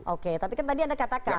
oke tapi kan tadi anda katakan